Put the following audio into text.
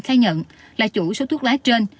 khai nhận là chủ số thuốc lá trên